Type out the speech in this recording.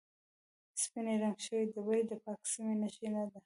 سپینې رنګ شوې ډبرې د پاکې سیمې نښې دي.